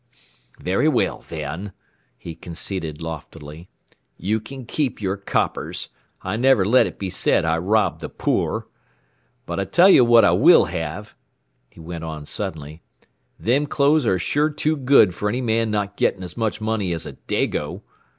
"Very well, then," he conceded loftily. "You can keep your coppers. I never let it be said I rob the poor. "But I tell you what I will have," he went on suddenly. "Them clothes are sure too good for any man not getting as much money as a Dago.